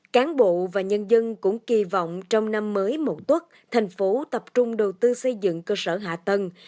cán bộ và nhân dân cũng kỳ vọng trong năm mới một tốt thành phố tập trung đầu tư xây dựng cơ sở hạ tầng